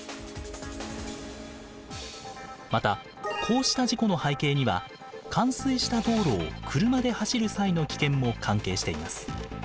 またこうした事故の背景には冠水した道路を車で走る際の危険も関係しています。